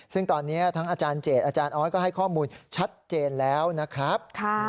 ซึ่งตอนนี้ทั้งอาจารย์เจตอาจารย์ออสก็ให้ข้อมูลชัดเจนแล้วนะครับ